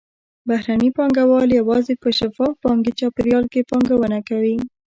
بهرني پانګهوال یوازې په شفاف بانکي چاپېریال کې پانګونه کوي.